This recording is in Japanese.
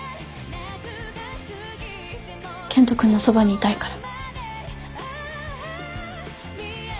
健人君のそばにいたいから。